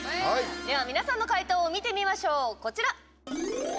では、皆さんの解答を見てみましょう、こちら！